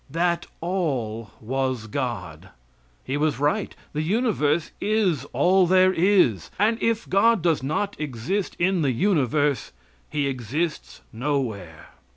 That all was God. He was right; the universe is all there is, and if God does not exist in the universe He exists nowhere.